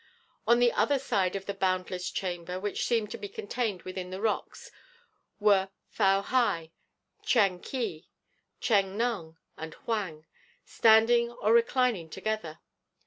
On the other side of the boundless chamber which seemed to be contained within the rocks were Fou Hy, Tchang Ki, Tcheng Nung, and Huang, standing or reclining together.